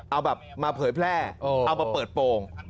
เอาแบบมาเผยแพร่เอามาเปิดโปรง